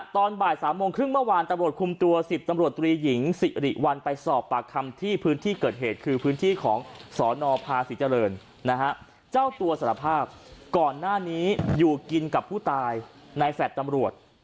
ตอนบ่าย๓โมงครึ่งเมื่อวานตำรวจคุมตัว๑๐ตำรวจตรีหญิงสิริวัลไปสอบปากคำที่พื้นที่เกิดเหตุคือพื้นที่ของสนภาษีเจริญนะฮะเจ้าตัวสารภาพก่อนหน้านี้อยู่กินกับผู้ตายในแฟลต์ตำรวจ